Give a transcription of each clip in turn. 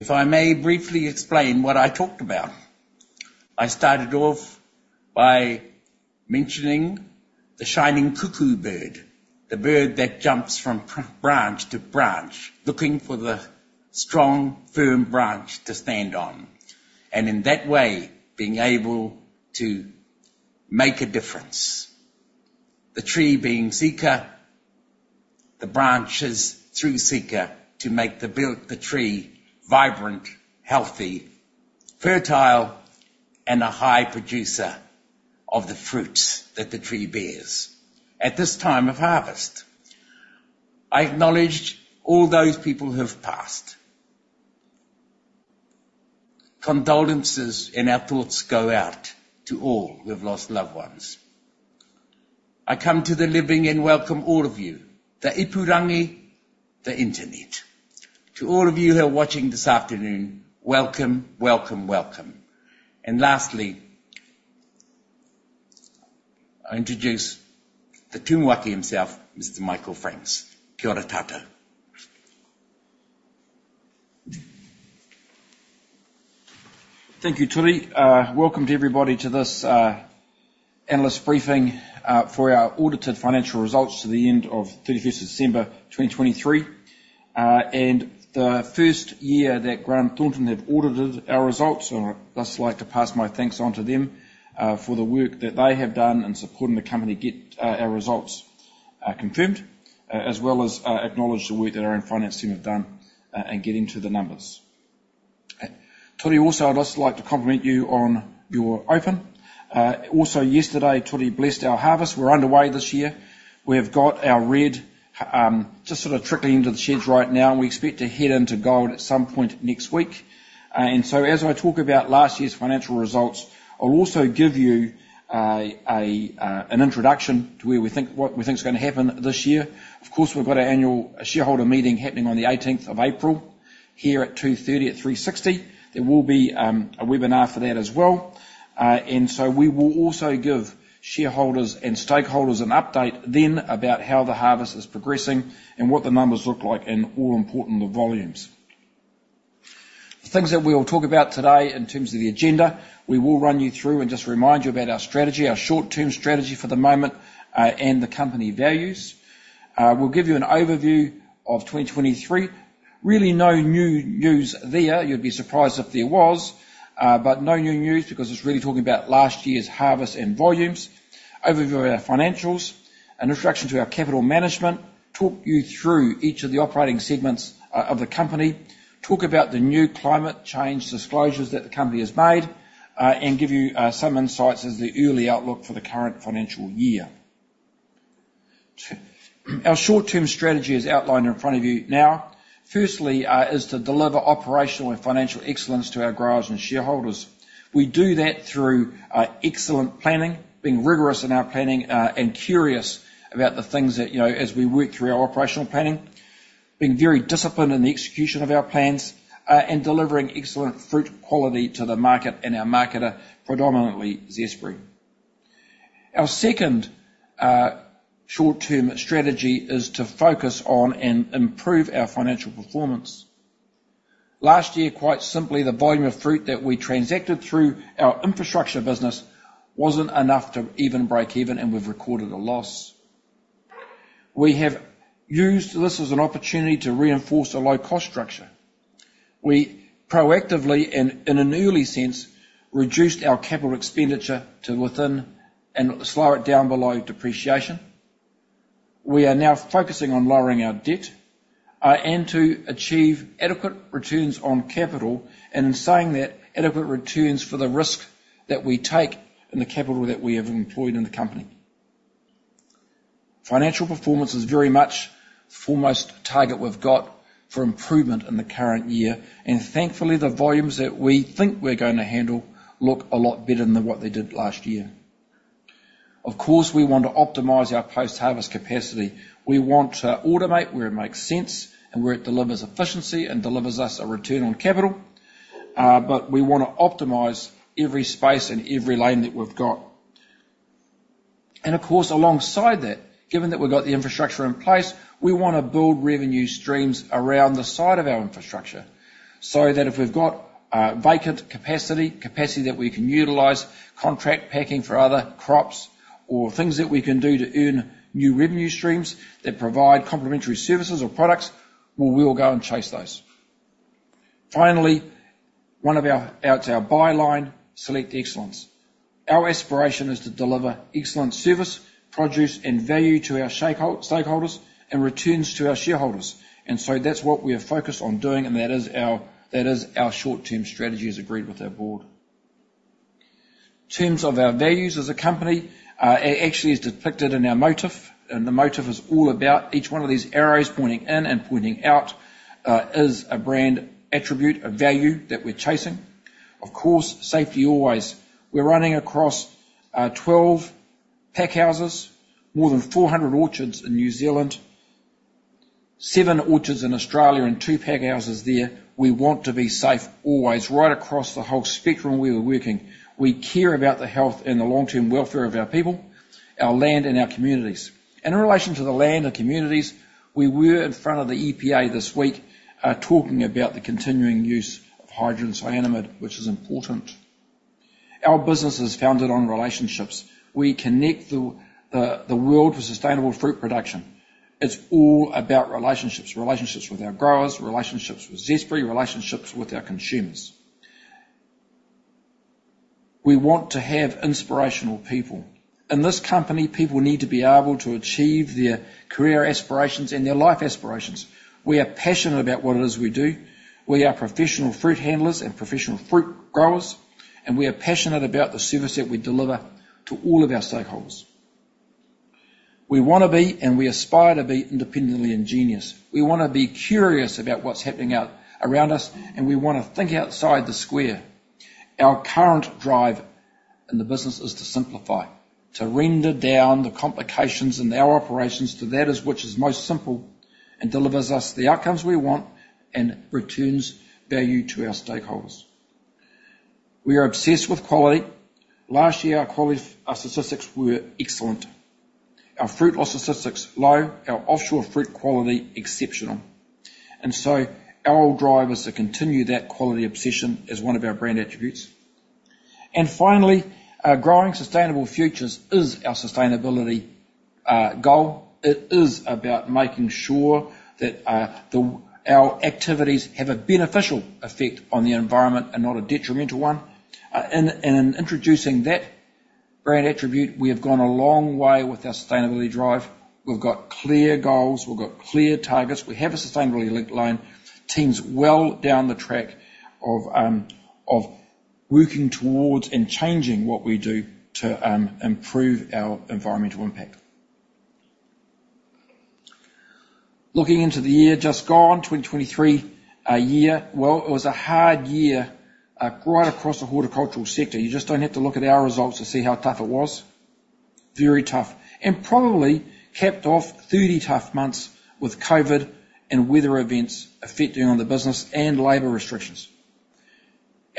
If I may briefly explain what I talked about, I started off by mentioning the shining cuckoo bird, the bird that jumps from branch to branch looking for the strong, firm branch to stand on, and in that way being able to make a difference. The tree being Seeka, the branches through Seeka to make the tree vibrant, healthy, fertile, and a high producer of the fruits that the tree bears at this time of harvest. I acknowledge all those people who have passed. Condolences and our thoughts go out to all who have lost loved ones. I come to the living and welcome all of you, the ipurangi, the internet. To all of you who are watching this afternoon, welcome, welcome, welcome. And lastly, I introduce the Tumuaki himself, Mr. Michael Franks, Kia ora tātou. Thank you, Turi. Welcome to everybody to this analysts briefing for our audited financial results to the end of 31st December 2023. The first year that Grant Thornton have audited our results, I'd just like to pass my thanks on to them for the work that they have done in supporting the company get our results confirmed, as well as acknowledge the work that our own finance team have done and get into the numbers. Turi, also I'd just like to compliment you on your open. Also yesterday, Turi, blessed our harvest. We're underway this year. We have got our red just sort of trickling into the sheds right now, and we expect to head into gold at some point next week. As I talk about last year's financial results, I'll also give you an introduction to where we think what we think is going to happen this year. Of course, we've got our annual shareholder meeting happening on the 18th of April here at 2:30 P.M., at 360. There will be a webinar for that as well. We will also give shareholders and stakeholders an update then about how the harvest is progressing and what the numbers look like and all important the volumes. The things that we'll talk about today in terms of the agenda, we will run you through and just remind you about our strategy, our short-term strategy for the moment, and the company values. We'll give you an overview of 2023. Really no new news there. You'd be surprised if there was, but no new news because it's really talking about last year's harvest and volumes, overview of our financials, an introduction to our capital management, talk you through each of the operating segments of the company, talk about the new climate change disclosures that the company has made, and give you some insights as the early outlook for the current financial year. Our short-term strategy is outlined in front of you now. Firstly, is to deliver operational and financial excellence to our growers and shareholders. We do that through excellent planning, being rigorous in our planning and curious about the things that as we work through our operational planning, being very disciplined in the execution of our plans and delivering excellent fruit quality to the market and our marketer, predominantly Zespri. Our second short-term strategy is to focus on and improve our financial performance. Last year, quite simply, the volume of fruit that we transacted through our infrastructure business wasn't enough to even break even, and we've recorded a loss. We have used this as an opportunity to reinforce a low-cost structure. We proactively and in an early sense reduced our capital expenditure to within and slow it down below depreciation. We are now focusing on lowering our debt and to achieve adequate returns on capital and in saying that, adequate returns for the risk that we take in the capital that we have employed in the company. Financial performance is very much the foremost target we've got for improvement in the current year. Thankfully, the volumes that we think we're going to handle look a lot better than what they did last year. Of course, we want to optimize our post-harvest capacity. We want to automate where it makes sense and where it delivers efficiency and delivers us a return on capital. But we want to optimize every space and every lane that we've got. And of course, alongside that, given that we've got the infrastructure in place, we want to build revenue streams around the side of our infrastructure so that if we've got vacant capacity, capacity that we can utilize, contract packing for other crops or things that we can do to earn new revenue streams that provide complementary services or products, we'll go and chase those. Finally, one of our assets, our byline Select Excellence. Our aspiration is to deliver excellent service, produce, and value to our stakeholders and returns to our shareholders. And so that's what we are focused on doing, and that is our short-term strategy as agreed with our Board. One of our values as a company actually is depicted in our motif, and the motif is all about each one of these arrows pointing in and pointing out is a brand attribute, a value that we're chasing. Of course, safety always. We're running across 12 packhouses, more than 400 orchards in New Zealand, seven orchards in Australia, and two packhouses there. We want to be safe always right across the whole spectrum where we're working. We care about the health and the long-term welfare of our people, our land, and our communities. And in relation to the land and communities, we were in front of the EPA this week talking about the continuing use of hydrogen cyanamide, which is important. Our business is founded on relationships. We connect the world with sustainable fruit production. It's all about relationships, relationships with our growers, relationships with Zespri, relationships with our consumers. We want to have inspirational people. In this company, people need to be able to achieve their career aspirations and their life aspirations. We are passionate about what it is we do. We are professional fruit handlers and professional fruit growers, and we are passionate about the service that we deliver to all of our stakeholders. We want to be, and we aspire to be, independently ingenious. We want to be curious about what's happening around us, and we want to think outside the square. Our current drive in the business is to simplify, to render down the complications in our operations to that which is most simple and delivers us the outcomes we want and returns value to our stakeholders. We are obsessed with quality. Last year, our quality statistics were excellent. Our fruit loss statistics low, our offshore fruit quality exceptional. Our goal is to drive that quality obsession as one of our brand attributes. Finally, growing sustainable futures is our sustainability goal. It is about making sure that our activities have a beneficial effect on the environment and not a detrimental one. In introducing that brand attribute, we have gone a long way with our sustainability drive. We've got clear goals. We've got clear targets. We have a sustainability-linked line. We're well down the track of working towards and changing what we do to improve our environmental impact. Looking back on the year just gone, 2023, a year, well, it was a hard year right across the horticultural sector. You just don't have to look at our results to see how tough it was. Very tough and probably capped off 30 tough months with COVID and weather events affecting the business and labor restrictions.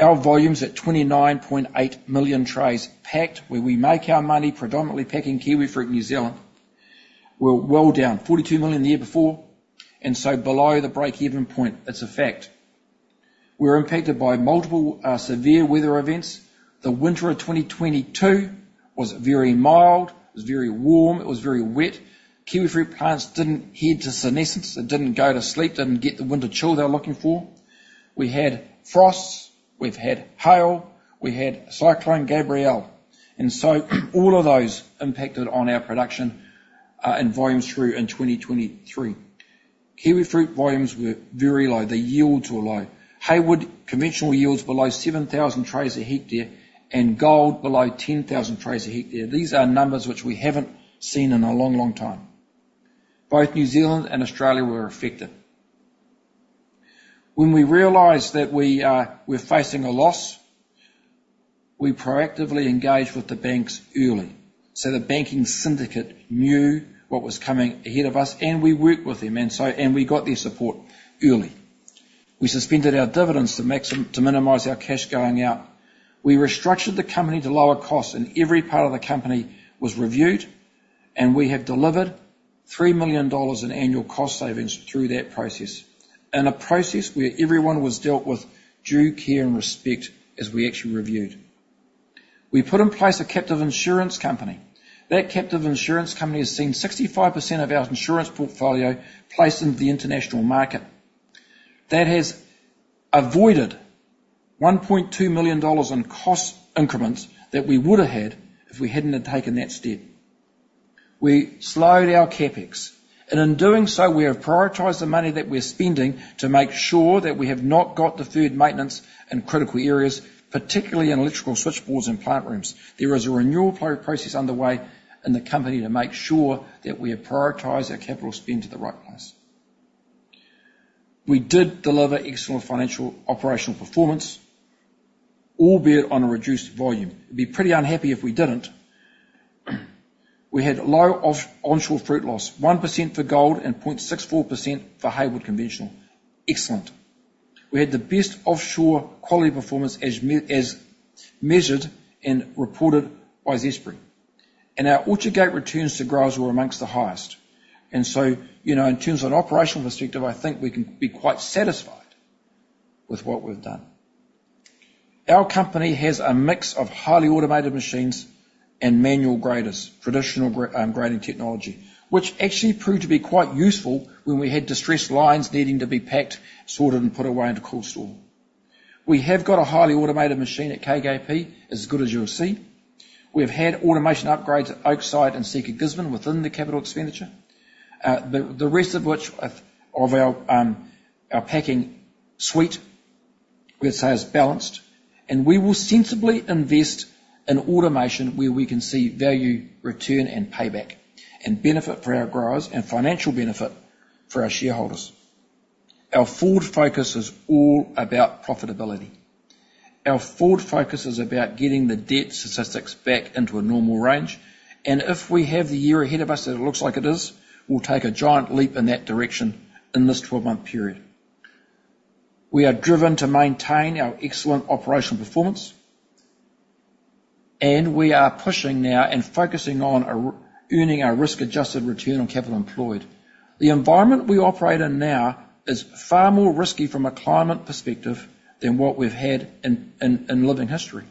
Our volumes at 29.8 million trays packed where we make our money, predominantly packing kiwifruit in New Zealand, were well down, 42 million the year before. So below the break-even point, it's a fact. We're impacted by multiple severe weather events. The winter of 2022 was very mild. It was very warm. It was very wet. Kiwifruit plants didn't head to senescence. It didn't go to sleep, didn't get the winter chill they're looking for. We had frosts. We've had hail. We had Cyclone Gabrielle. So all of those impacted on our production and volumes through in 2023. Kiwifruit volumes were very low. The yields were low. Hayward conventional yields below 7,000 trays a hectare and gold below 10,000 trays a hectare. These are numbers which we haven't seen in a long, long time. Both New Zealand and Australia were affected. When we realized that we were facing a loss, we proactively engaged with the banks early so the banking syndicate knew what was coming ahead of us, and we worked with them, and we got their support early. We suspended our dividends to minimize our cash going out. We restructured the company to lower costs, and every part of the company was reviewed. We have delivered 3 million dollars in annual cost savings through that process, in a process where everyone was dealt with due care and respect as we actually reviewed. We put in place a captive insurance company. That captive insurance company has seen 65% of our insurance portfolio placed in the international market. That has avoided 1.2 million dollars in cost increments that we would have had if we hadn't taken that step. We slowed our CapEx, and in doing so, we have prioritized the money that we're spending to make sure that we have not got deferred maintenance in critical areas, particularly in electrical switchboards and plant rooms. There is a renewal process underway in the company to make sure that we have prioritized our capital spend to the right place. We did deliver external financial operational performance, albeit on a reduced volume. It'd be pretty unhappy if we didn't. We had low onshore fruit loss, 1% for gold and 0.64% for Hayward conventional. Excellent. We had the best offshore quality performance as measured and reported by Zespri, and our orchard gate returns to growers were among the highest. And so in terms of an operational perspective, I think we can be quite satisfied with what we've done. Our company has a mix of highly automated machines and manual graders, traditional grading technology, which actually proved to be quite useful when we had distressed lines needing to be packed, sorted, and put away into cool store. We have got a highly automated machine at KKP as good as you'll see. We've had automation upgrades at Oakside and Seeka Gisborne within the capital expenditure, the rest of which of our packing suite, let's say, is balanced. We will sensibly invest in automation where we can see value return and payback and benefit for our growers and financial benefit for our shareholders. Our forward focus is all about profitability. Our forward focus is about getting the debt statistics back into a normal range. If we have the year ahead of us that it looks like it is, we'll take a giant leap in that direction in this 12-month period. We are driven to maintain our excellent operational performance, and we are pushing now and focusing on earning our risk-adjusted return on capital employed. The environment we operate in now is far more risky from a climate perspective than what we've had in living history.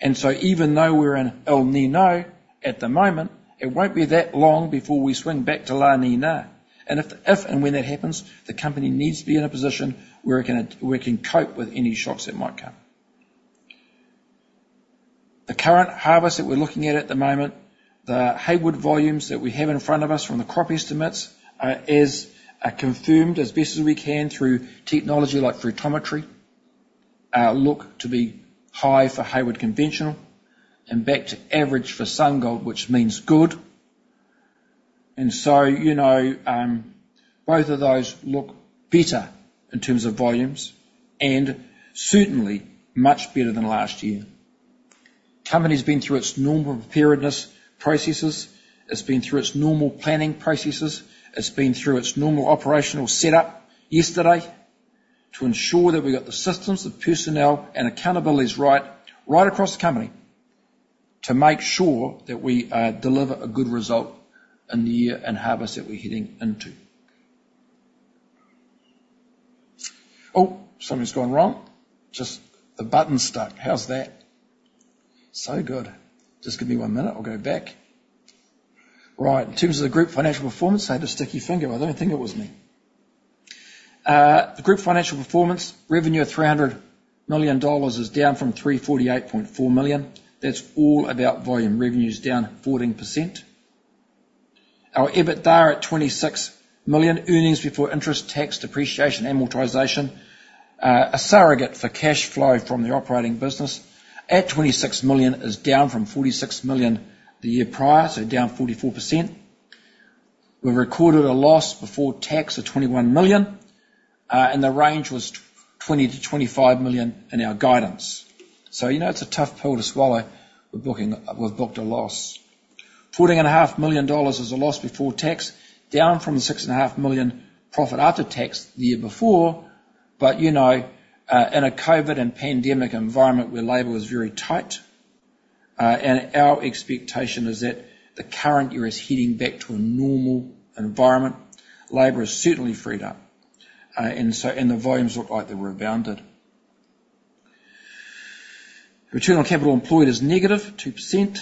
And so even though we're in El Niño at the moment, it won't be that long before we swing back to La Niña. And if and when that happens, the company needs to be in a position where it can cope with any shocks that might come. The current harvest that we're looking at at the moment, the Hayward volumes that we have in front of us from the crop estimates are confirmed as best as we can through technology like Fruitometry, look to be high for Hayward conventional and back to average for SunGold, which means good. And so both of those look better in terms of volumes and certainly much better than last year. The company's been through its normal preparedness processes. It's been through its normal planning processes. It's been through its normal operational setup yesterday to ensure that we got the systems, the personnel, and accountability right across the company to make sure that we deliver a good result in the year and harvest that we're heading into. Oh, something's gone wrong. Just the button stuck. How's that? So good. Just give me one minute. I'll go back. Right. In terms of the group financial performance, I had a sticky finger. I don't think it was me. The group financial performance, revenue of 300 million dollars is down from 348.4 million. That's all about volume. Revenue's down 14%. Our EBITDA are at 26 million, earnings before interest, tax, depreciation, amortization, a surrogate for cash flow from the operating business at 26 million is down from 46 million the year prior, so down 44%. We've recorded a loss before tax of 21 million, and the range was 20 million-25 million in our guidance. So it's a tough pill to swallow. We've booked a loss. 14.5 million dollars is a loss before tax, down from the 6.5 million profit after tax the year before. But in a COVID and pandemic environment where labor was very tight, and our expectation is that the current year is heading back to a normal environment, labor is certainly freed up. The volumes look like they're rebounded. Return on capital employed is negative 2%.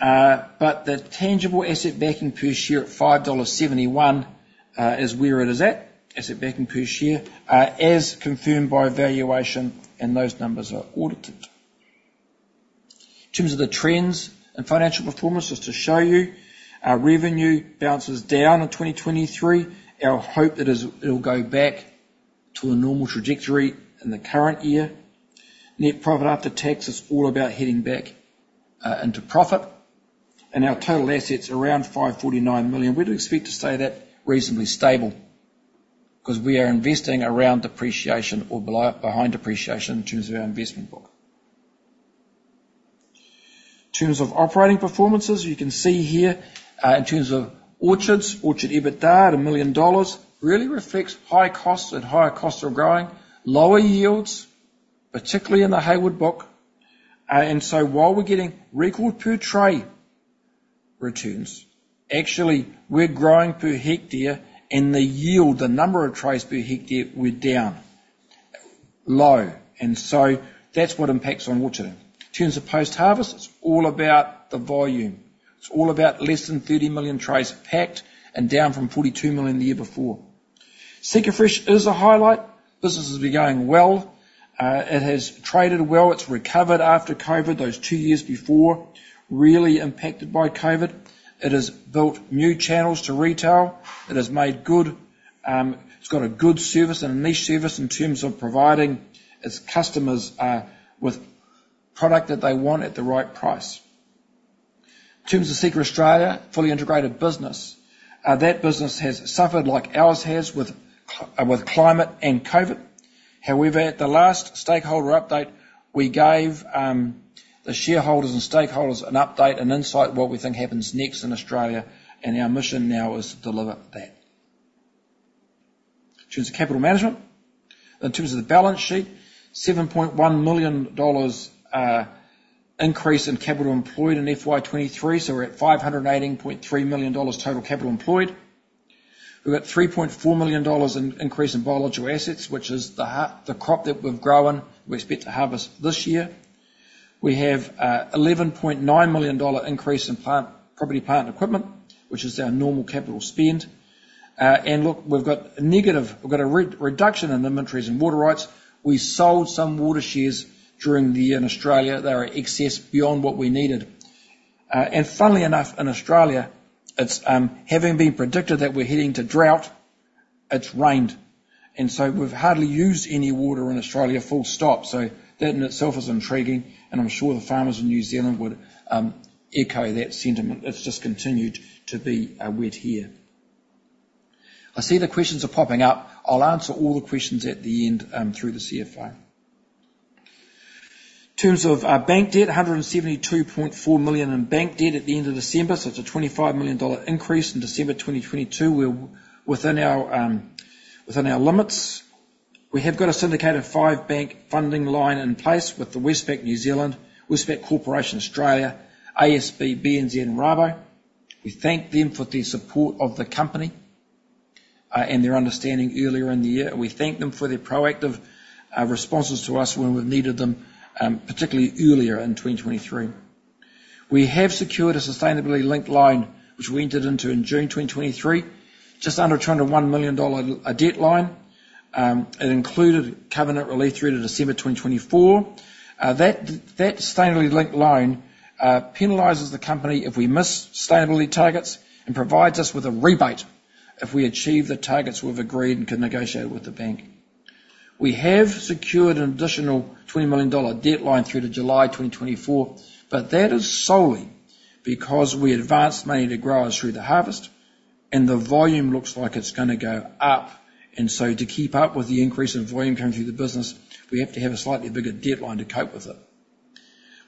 But the tangible asset backing per share at 5.71 dollars is where it is at, asset backing per share, as confirmed by valuation, and those numbers are audited. In terms of the trends and financial performance, just to show you, our revenue balances down in 2023. Our hope that it'll go back to a normal trajectory in the current year. Net profit after tax, it's all about heading back into profit. Our total assets are around 549 million. We do expect to stay that reasonably stable because we are investing around depreciation or behind depreciation in terms of our investment book. In terms of operating performances, you can see here in terms of orchards, orchard EBITDA, 1 million dollars really reflects high costs and higher costs of growing, lower yields, particularly in the Hayward book. And so while we're getting record per tray returns, actually, we're growing per hectare, and the yield, the number of trays per hectare, we're down, low. And so that's what impacts on orcharding. In terms of post-harvest, it's all about the volume. It's all about less than 30 million trays packed and down from 42 million the year before. Seeka Fresh is a highlight. Business has been going well. It has traded well. It's recovered after COVID, those two years before really impacted by COVID. It has built new channels to retail. It has made good, it's got a good service and a niche service in terms of providing its customers with product that they want at the right price. In terms of Seeka Australia, fully integrated business, that business has suffered like ours has with climate and COVID. However, at the last stakeholder update, we gave the shareholders and stakeholders an update and insight of what we think happens next in Australia. Our mission now is to deliver that. In terms of capital management, in terms of the balance sheet, 7.1 million dollars increase in capital employed in FY2023. We're at 518.3 million dollars total capital employed. We've got 3.4 million dollars increase in biological assets, which is the crop that we've grown. We expect to harvest this year. We have an 11.9 million dollar increase in property plant equipment, which is our normal capital spend. And look, we've got a negative we've got a reduction in inventories and water rights. We sold some water shares during the year in Australia. They are excess beyond what we needed. And funnily enough, in Australia, having been predicted that we're heading to drought, it's rained. And so we've hardly used any water in Australia, full stop. So that in itself is intriguing. And I'm sure the farmers in New Zealand would echo that sentiment. It's just continued to be wet here. I see the questions are popping up. I'll answer all the questions at the end through the CFO. In terms of our bank debt, 172.4 million in bank debt at the end of December. So it's a 25 million dollar increase in December 2022. We're within our limits. We have got a syndicated 5-bank funding line in place with the Westpac New Zealand, Westpac Corporation Australia, ASB, BNZ, and Rabo. We thank them for the support of the company and their understanding earlier in the year. We thank them for their proactive responses to us when we've needed them, particularly earlier in 2023. We have secured a sustainability linked line, which we entered into in June 2023, just under 21 million dollar a debt line. It included covenant release through to December 2024. That sustainability linked line penalises the company if we miss sustainability targets and provides us with a rebate if we achieve the targets we've agreed and can negotiate with the bank. We have secured an additional 20 million dollar debt line through to July 2024. But that is solely because we advanced money to growers through the harvest, and the volume looks like it's going to go up. And so to keep up with the increase in volume coming through the business, we have to have a slightly bigger debt line to cope with it.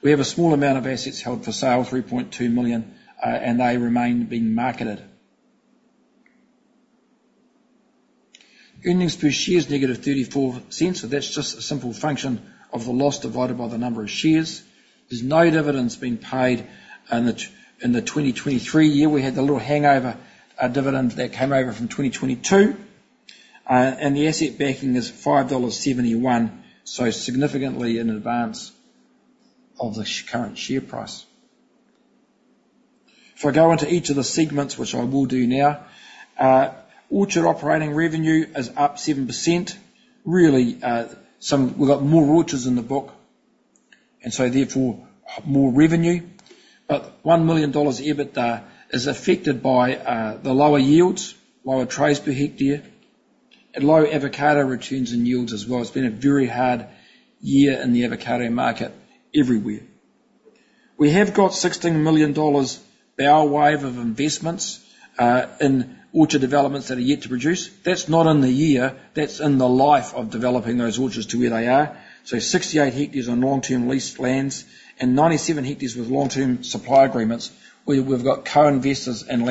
We have a small amount of assets held for sale, 3.2 million, and they remain being marketed. Earnings per share is negative 0.34. That's just a simple function of the loss divided by the number of shares. There's no dividends being paid. In the 2023 year, we had the little hangover dividend that came over from 2022. And the asset backing is 5.71 dollars, so significantly in advance of the current share price. If I go into each of the segments, which I will do now, orchard operating revenue is up 7%. We've got more orchards in the book, and so therefore more revenue. But 1 million dollars EBITDA is affected by the lower yields, lower trays per hectare, and low avocado returns and yields as well. It's been a very hard year in the avocado market everywhere. We have got 16 million dollars bow wave of investments in orchard developments that are yet to produce. That's not in the year. That's in the life of developing those orchards to where they are. So 68 hectares on long-term leased lands and 97 hectares with long-term supply agreements where we've got co-investors and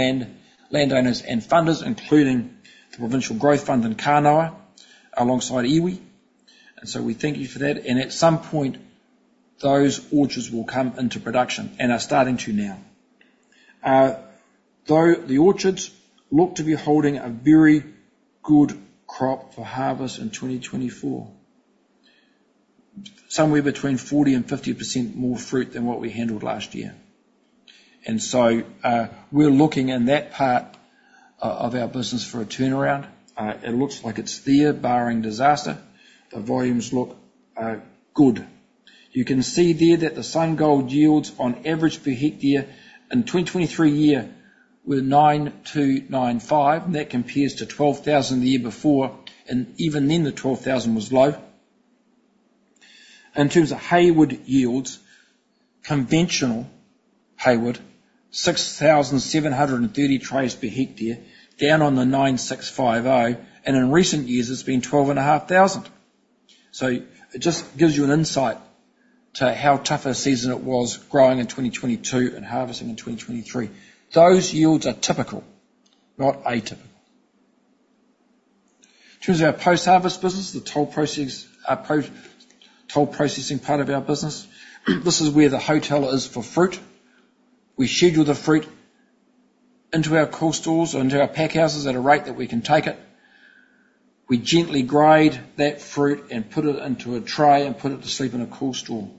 landowners and funders, including the Provincial Growth Fund in Kawerau alongside Iwi. And so we thank you for that. And at some point, those orchards will come into production, and they're starting to now. Though the orchards look to be holding a very good crop for harvest in 2024, somewhere between 40% and 50% more fruit than what we handled last year. And so we're looking in that part of our business for a turnaround. It looks like it's there, barring disaster. The volumes look good. You can see there that the SunGold yields on average per hectare in 2023 year were 9,295. That compares to 12,000 the year before. And even then, the 12,000 was low. In terms of Hayward yields, conventional Hayward, 6,730 trays per hectare, down on the 9,650. And in recent years, it's been 12,500. So it just gives you an insight to how tough a season it was growing in 2022 and harvesting in 2023. Those yields are typical, not atypical. In terms of our post-harvest business, the toll processing part of our business, this is where the hotel is for fruit. We schedule the fruit into our cool stalls or into our packhouses at a rate that we can take it. We gently grind that fruit and put it into a tray and put it to sleep in a cool stall.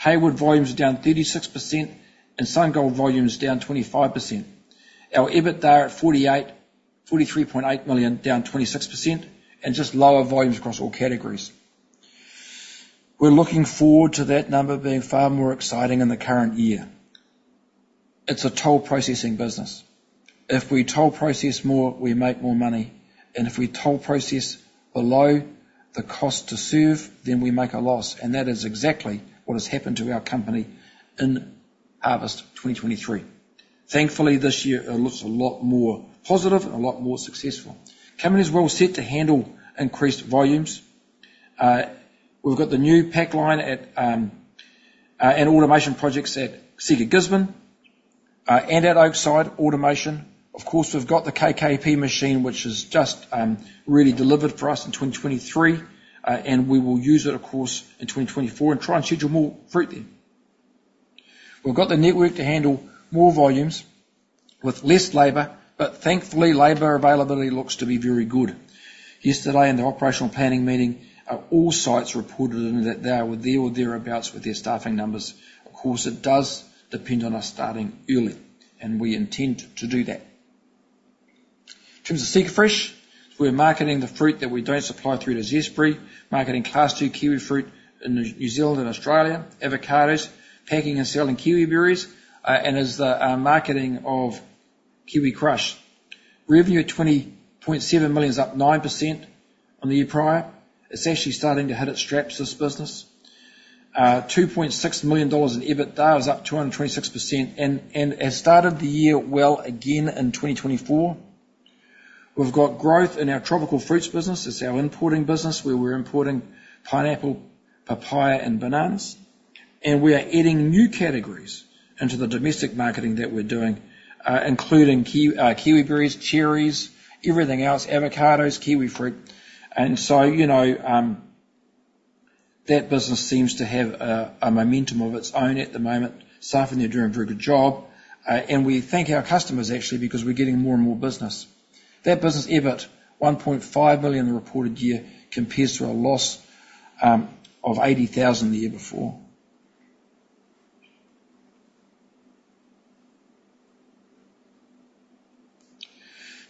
Hayward volumes are down 36%, and SunGold volumes down 25%. Our EBITDA are at 43.8 million, down 26%, and just lower volumes across all categories. We're looking forward to that number being far more exciting in the current year. It's a toll processing business. If we toll process more, we make more money. And if we toll process below the cost to serve, then we make a loss. And that is exactly what has happened to our company in harvest 2023. Thankfully, this year, it looks a lot more positive and a lot more successful. The company's well set to handle increased volumes. We've got the new pack line and automation projects at Seeka Gisborne and at Oakside Automation. Of course, we've got the KKP machine, which has just really delivered for us in 2023. And we will use it, of course, in 2024 and try and schedule more fruit there. We've got the network to handle more volumes with less labor. But thankfully, labor availability looks to be very good. Yesterday, in the operational planning meeting, all sites reported that they were there or thereabouts with their staffing numbers. Of course, it does depend on us starting early, and we intend to do that. In terms of Seeka Fresh, we're marketing the fruit that we don't supply through to Zespri, marketing class two kiwi fruit in New Zealand and Australia, avocados, packing and selling kiwi berries, and is the marketing of Kiwi Crush. Revenue at 20.7 million is up 9% on the year prior. It's actually starting to hit its straps this business. 2.6 million dollars in EBITDA is up 226% and has started the year well again in 2024. We've got growth in our tropical fruits business. It's our importing business where we're importing pineapple, papaya, and bananas. We are adding new categories into the domestic marketing that we're doing, including kiwi berries, cherries, everything else, avocados, kiwi fruit. So that business seems to have a momentum of its own at the moment. Staff in there doing a very good job. We thank our customers, actually, because we're getting more and more business. That business EBIT, 1.5 million reported year, compares to a loss of 80,000 the year before.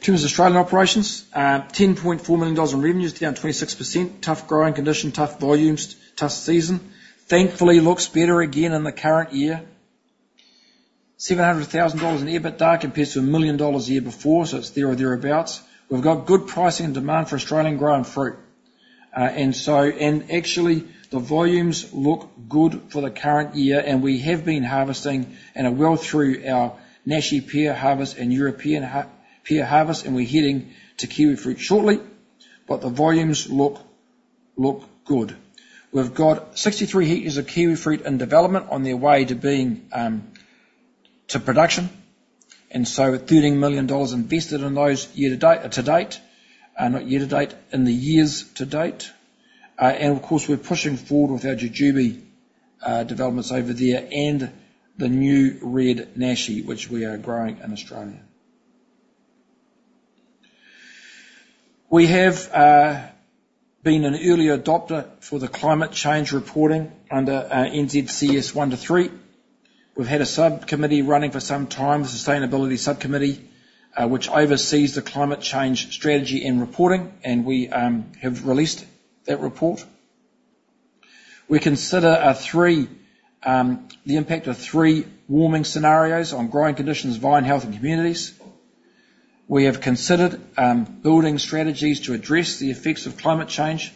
In terms of Australian operations, 10.4 million dollars in revenues, down 26%, tough growing condition, tough volumes, tough season. Thankfully, it looks better again in the current year. 700,000 dollars in EBITDA compared to 1 million dollars the year before. So it's there or thereabouts. We've got good pricing and demand for Australian growing fruit. And actually, the volumes look good for the current year. And we have been harvesting and are well through our Nashi pear harvest and European pear harvest. And we're heading to kiwifruit shortly. But the volumes look good. We've got 63 hectares of kiwifruit in development on their way to production. So 13 million dollars invested in those year to date to date, not year to date, in the years to date. Of course, we're pushing forward with our jujube developments over there and the new red Nashi, which we are growing in Australia. We have been an early adopter for the climate change reporting under NZCS 1 to 3. We've had a subcommittee running for some time, the sustainability subcommittee, which oversees the climate change strategy and reporting. And we have released that report. We consider the impact of three warming scenarios on growing conditions, vine health, and communities. We have considered building strategies to address the effects of climate change,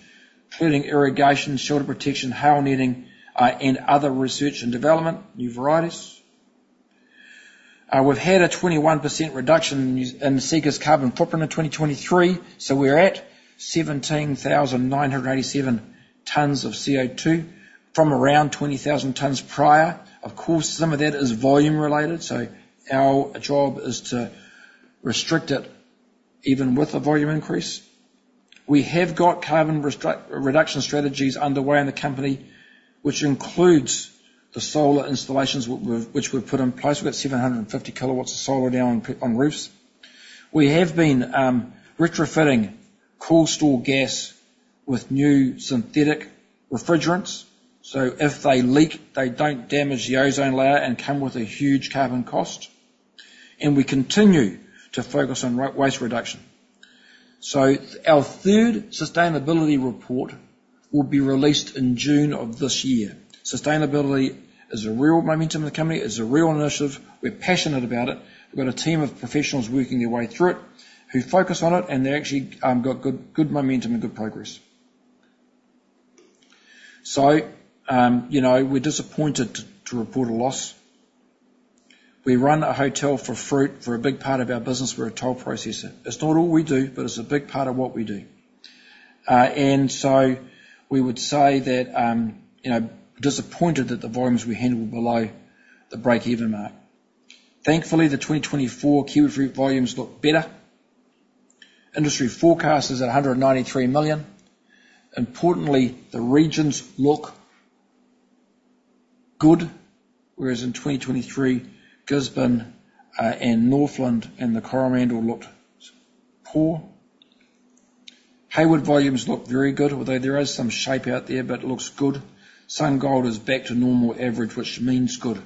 including irrigation, shelter protection, hail netting, and other research and development, new varieties. We've had a 21% reduction in Seeka's carbon footprint in 2023. So we're at 17,987 tons of CO2 from around 20,000 tons prior. Of course, some of that is volume related. So our job is to restrict it even with a volume increase. We have got carbon reduction strategies underway in the company, which includes the solar installations which we've put in place. We've got 750 kW of solar now on roofs. We have been retrofitting coolstore gas with new synthetic refrigerants. So if they leak, they don't damage the ozone layer and come with a huge carbon cost. And we continue to focus on waste reduction. So our third sustainability report will be released in June of this year. Sustainability is a real momentum in the company. It's a real initiative. We're passionate about it. We've got a team of professionals working their way through it who focus on it. And they actually got good momentum and good progress. So we're disappointed to report a loss. We run a hotel for fruit. For a big part of our business, we're a toll processor. It's not all we do, but it's a big part of what we do. So we would say that disappointed that the volumes we handle were below the break-even mark. Thankfully, the 2024 kiwifruit volumes look better. Industry forecast is at 193 million. Importantly, the regions look good, whereas in 2023, Gisborne and Northland and the Coromandel looked poor. Hayward volumes look very good, although there is some shape out there, but it looks good. SunGold is back to normal average, which means good.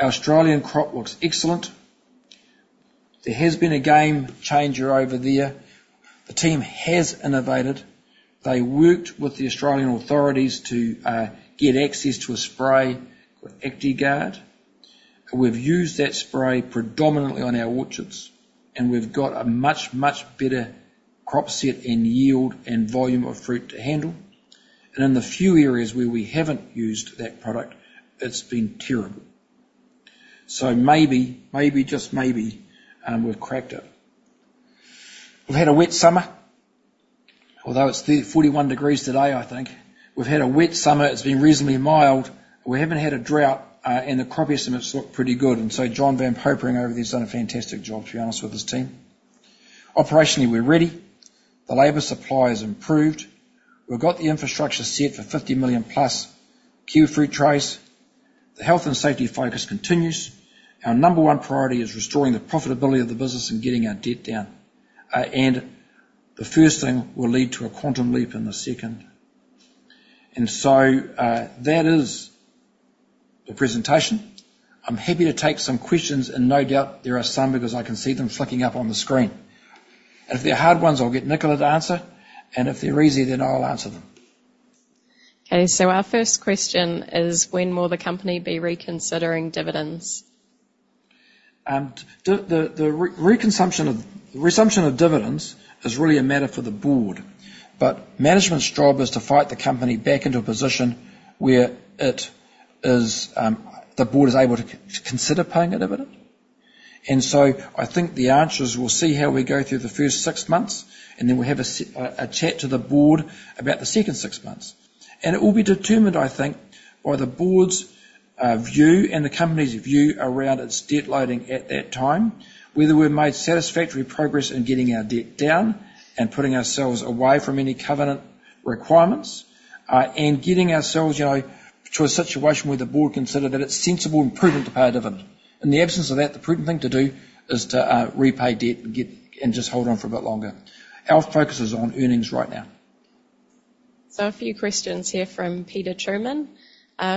Australian crop looks excellent. There has been a game changer over there. The team has innovated. They worked with the Australian authorities to get access to a spray, Actigard. We've used that spray predominantly on our orchards. We've got a much, much better crop set and yield and volume of fruit to handle. In the few areas where we haven't used that product, it's been terrible. So maybe, just maybe, we've cracked it. We've had a wet summer, although it's 41 degrees today, I think. We've had a wet summer. It's been reasonably mild. We haven't had a drought. The crop estimates look pretty good. John Van Popering over there has done a fantastic job, to be honest, with his team. Operationally, we're ready. The labour supply has improved. We've got the infrastructure set for 50 million+ kiwi fruit trays. The health and safety focus continues. Our number one priority is restoring the profitability of the business and getting our debt down. The first thing will lead to a quantum leap in the second. That is the presentation. I'm happy to take some questions. No doubt there are some because I can see them flicking up on the screen. If they're hard ones, I'll get Nicola to answer. If they're easy, then I'll answer them. Okay. Our first question is, when will the company be reconsidering dividends? The resumption of dividends is really a matter for the Board. But management's job is to fight the company back into a position where the Board is able to consider paying a dividend. And so I think the answers we'll see how we go through the first six months. And then we'll have a chat to the Board about the second six months. And it will be determined, I think, by the Board's view and the company's view around its debt loading at that time, whether we've made satisfactory progress in getting our debt down and putting ourselves away from any covenant requirements and getting ourselves to a situation where the Board consider that it's sensible and prudent to pay a dividend. In the absence of that, the prudent thing to do is to repay debt and just hold on for a bit longer. Our focus is on earnings right now. So a few questions here from Peter Truman.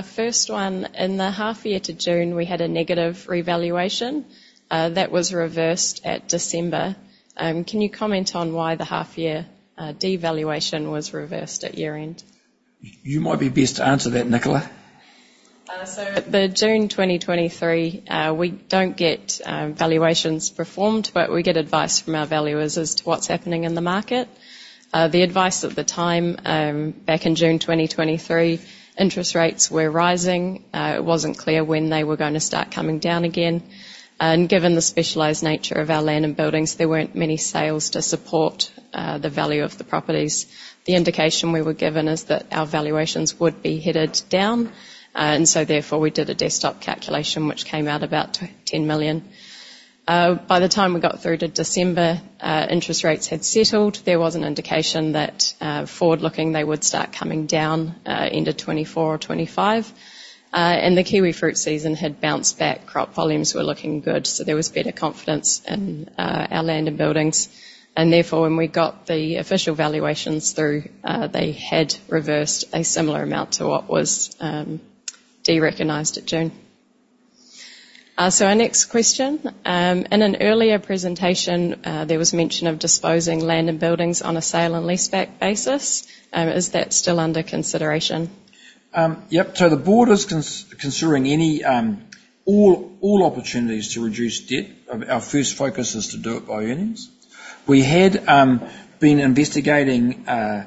First one, in the half year to June, we had a negative revaluation. That was reversed at December. Can you comment on why the half year revaluation was reversed at year-end? You might be best to answer that, Nicola. So. In June 2023, we don't get valuations performed, but we get advice from our valuers as to what's happening in the market. The advice at the time, back in June 2023, interest rates were rising. It wasn't clear when they were going to start coming down again. Given the specialised nature of our land and buildings, there weren't many sales to support the value of the properties. The indication we were given is that our valuations would be headed down. So therefore, we did a desktop calculation, which came out about 10 million. By the time we got through to December, interest rates had settled. There was an indication that, forward-looking, they would start coming down end of 2024 or 2025. The kiwifruit season had bounced back. Crop volumes were looking good. So there was better confidence in our land and buildings. Therefore, when we got the official valuations through, they had reversed a similar amount to what was de-recognized at June. Our next question. In an earlier presentation, there was mention of disposing land and buildings on a sale and leaseback basis. Is that still under consideration? Yep. So the Board is considering all opportunities to reduce debt. Our first focus is to do it by earnings. We had been investigating a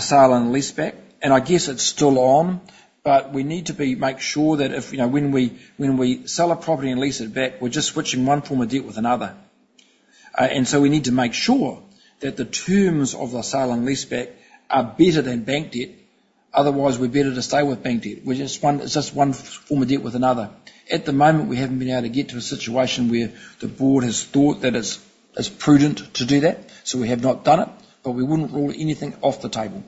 sale and leaseback. And I guess it's still on. But we need to make sure that when we sell a property and lease it back, we're just switching one form of debt with another. And so we need to make sure that the terms of the sale and leaseback are better than bank debt. Otherwise, we're better to stay with bank debt. It's just one form of debt with another. At the moment, we haven't been able to get to a situation where the Board has thought that it's prudent to do that. So we have not done it. But we wouldn't rule anything off the table.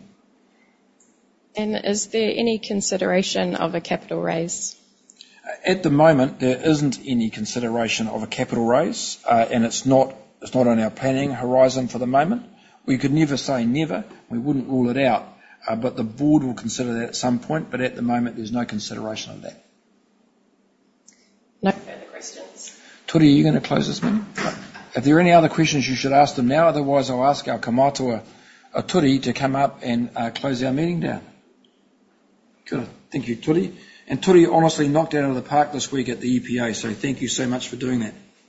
Is there any consideration of a capital raise? At the moment, there isn't any consideration of a capital raise. It's not on our planning horizon for the moment. We could never say never. We wouldn't rule it out. The Board will consider that at some point. At the moment, there's no consideration of that. No further questions? Turi, are you going to close this meeting? No. Are there any other questions you should ask them now? Otherwise, I'll ask our Kaumātua Turi to come up and close our meeting down. Good. Thank you, Turi. And Turi, honestly, knocked out of the park this week at the EPA. So thank you so much for doing that.